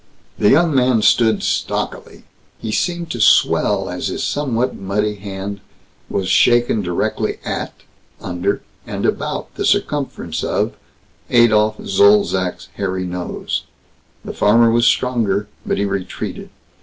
The young man stood stockily. He seemed to swell as his somewhat muddy hand was shaken directly at, under, and about the circumference of, Adolph Zolzac's hairy nose. The farmer was stronger, but he retreated.